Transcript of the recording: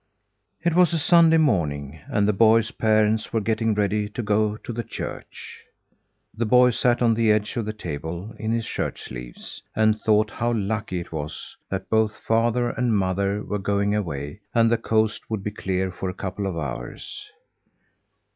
It was a Sunday morning and the boy's parents were getting ready to go to church. The boy sat on the edge of the table, in his shirt sleeves, and thought how lucky it was that both father and mother were going away, and the coast would be clear for a couple of hours.